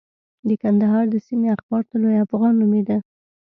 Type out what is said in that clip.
د کندهار د سیمې اخبار طلوع افغان نومېده.